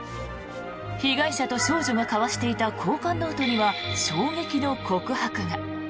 被害者と少女が交わしていた交換ノートには衝撃の告白が。